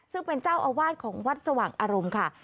ซึ่งเป็นเจ้าอาวาสของวัดสว่างอารมณ์ค่ะ